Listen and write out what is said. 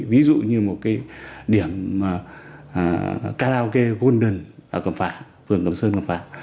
ví dụ như một cái điểm karaoke golden ở cầm phạm vườn cầm sơn cầm phạm